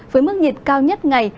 với mức nhiệt cao nhất ngày